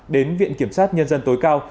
đến viện kiểm sát nhân dân tối cao